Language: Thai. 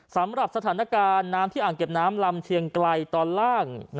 สำหรับสถานการณ์น้ำที่อ่างเก็บน้ำลำเชียงไกลตอนล่าง